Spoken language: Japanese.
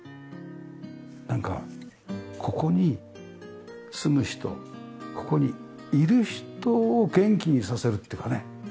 なんかここに住む人ここにいる人を元気にさせるっていうかね。